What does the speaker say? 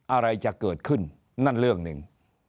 อะไรจะเกิดขึ้นนั่นเรื่องหนึ่ง